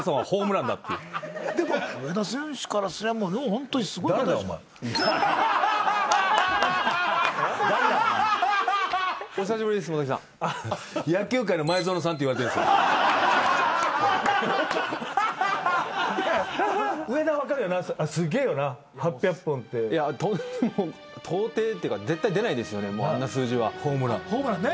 ホームランね。